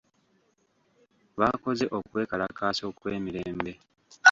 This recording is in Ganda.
Baakoze okwekalakaasa okw'emirembe.